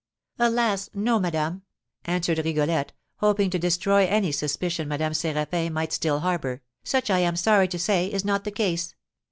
"Alas, no, madame!" answered Rigolette, hoping to destroy any suspicion Madame Séraphin might still harbour; "such, I am sorry to say, is not the case.